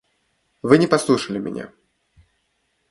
Вы не послушали меня.